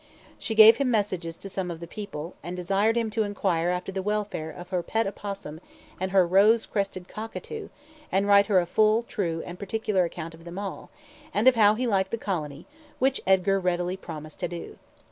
She gave him messages to some of the people, and desired him to inquire after the welfare of her pet opossum and her rose crested cockatoo, and write her a full, true, and particular account of them all, and of how he liked the colony, which Edgar readily promised to do.